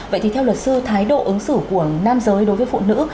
vậy thì theo luật sư thái độ ứng xử của nam giới đối với phụ nữ